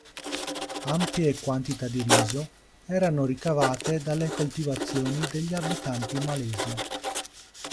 Ampie quantità di riso erano ricavate dalle coltivazioni degli abitanti malesi.